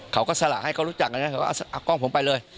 เขาก็สละให้เขารู้จักเอากล้องผมไปเลย